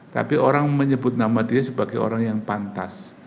tapi orang menyebut nama dia sebagai orang yang pantas